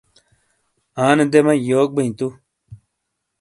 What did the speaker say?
آنے دے مئی، یوک بئیں توُ؟